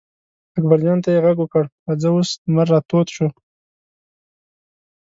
اکبر جان ته یې غږ کړل: راځه اوس لمر را تود شو.